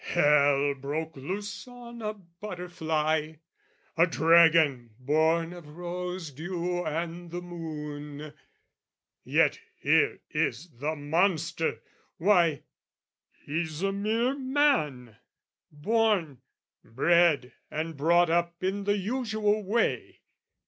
Hell broke loose on a butterfly! A dragon born of rose dew and the moon! Yet here is the monster! Why, he's a mere man Born, bred, and brought up in the usual way.